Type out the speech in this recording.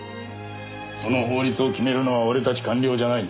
その法律を決めるのは俺たち官僚じゃない。